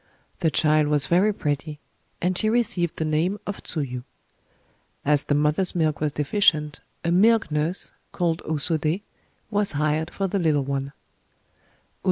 The child was very pretty; and she received the name of Tsuyu. As the mother's milk was deficient, a milk nurse, called O Sodé, was hired for the little one.